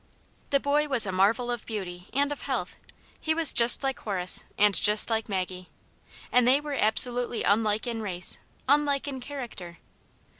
The boy was a marvel of beauty and of health ; he waa just like Horace and just like Maggie, and they were absolutely unlike in race, unlike in character.